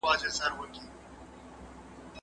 ملا بانګ خپلې ګوتې په څراغ پورې مښلې.